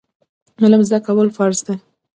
علم زده کول فرض دي